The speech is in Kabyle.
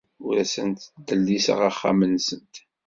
Ur asent-ttdelliseɣ axxam-nsent.